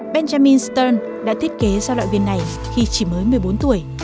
benjamin sterne đã thiết kế ra loại viên này khi mới một mươi bốn tuổi